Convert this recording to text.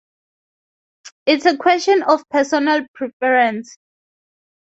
It's a question of personal preference.